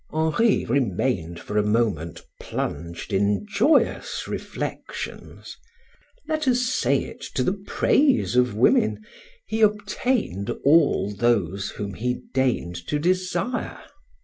Henri remained for a moment plunged in joyous reflections. Let us say it to the praise of women, he obtained all those whom he deigned to desire.